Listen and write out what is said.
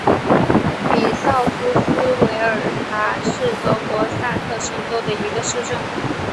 比绍夫斯韦尔达是德国萨克森州的一个市镇。